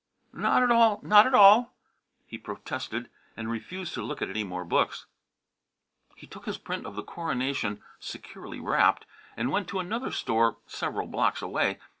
"Not at all, not at all!" he protested, and refused to look at any more books. He took his print of the coronation, securely wrapped, and went to another store several blocks away.